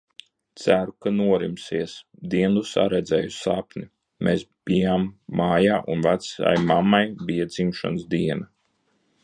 Ceru, ka norimsies. Diendusā redzēju sapni. Mēs bijām mājā un vecaimammai bija dzimšanas diena.